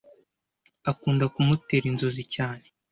Akunda kumutera inzozi cyane